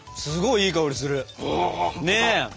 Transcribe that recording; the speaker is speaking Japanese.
すごいいい香りする。